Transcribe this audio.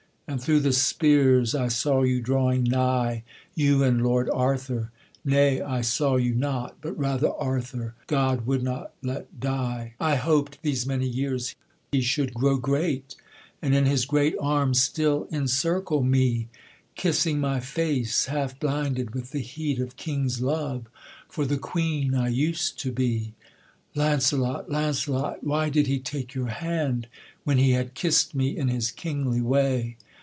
And through the spears I saw you drawing nigh, You and Lord Arthur: nay, I saw you not, But rather Arthur, God would not let die, I hoped, these many years; he should grow great, And in his great arms still encircle me, Kissing my face, half blinded with the heat Of king's love for the queen I used to be. Launcelot, Launcelot, why did he take your hand, When he had kissed me in his kingly way?